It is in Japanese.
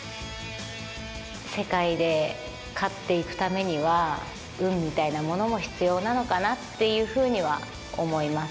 世界で勝っていくためには、運みたいなものも必要なのかなっていうふうには思います。